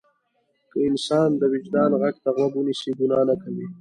که انسان د وجدان غږ ته غوږ ونیسي ګناه نه کوي.